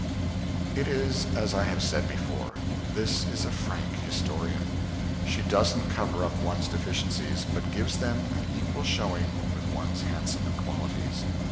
'" It is as I have said before. This is a frank historian. She doesn't cover up one's deficiencies, but gives them an equal showing with one's handsomer qualities.